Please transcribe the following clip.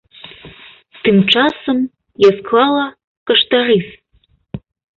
Тым часам я склала каштарыс.